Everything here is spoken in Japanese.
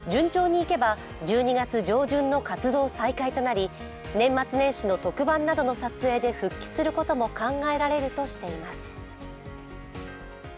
また、スポーツ報知によりますと、順調にいけば１２月上旬の活動再開となり年末年始の特番などの撮影で復帰することも考えられるとしています。